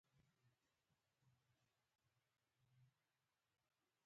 د بانک په اړه هر ډول نیوکه په دقت څیړل کیږي.